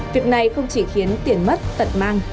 việc này không chỉ khiến tiền mất tận mang